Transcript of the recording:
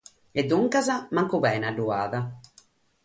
E duncas mancu pena b'at.